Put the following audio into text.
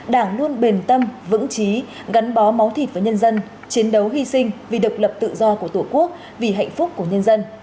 đảng luôn bền tâm vững trí gắn bó máu thịt với nhân dân chiến đấu hy sinh vì độc lập tự do của tổ quốc vì hạnh phúc của nhân dân